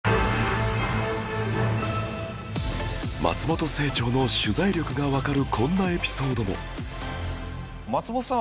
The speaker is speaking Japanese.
松本清張の取材力がわかるこんなエピソードも